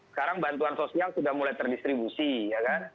sekarang bantuan sosial sudah mulai terdistribusi ya kan